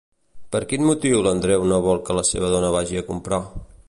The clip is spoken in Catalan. Per quin motiu l'Andreu no vol que la seva dona vagi a comprar?